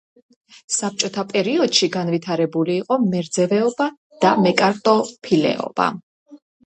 საბჭოთა პერიოდში განვითარებული იყო მერძევეობა და მეკარტოფილეობა.